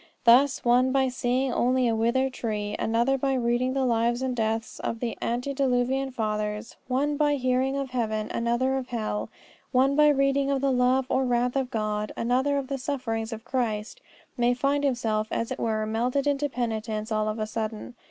Thus, one by seeing only a withered tree, another by reading the lives and deaths of the antediluvian fathers, one by hearing of heaven, another of hell, one by reading of the love or wrath of God, another of the sufferings of Christ, may find himself, as it were, melted into penitence all of a sudden.